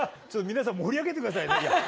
ちょっと皆さん盛り上げて下さいね。